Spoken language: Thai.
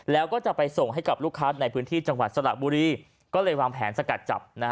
แล้วก็จะไปส่งให้กับลูกค้าในพื้นที่จังหวัดสระบุรีก็เลยวางแผนสกัดจับ